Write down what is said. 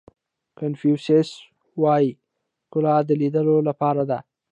کانفیو سیس وایي ښکلا د لیدلو لپاره ده.